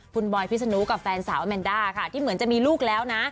คุณบอยพิษนุกับแฟนสาวแมนด้าค่ะที่เหมือนจะมีลูกแล้วนะ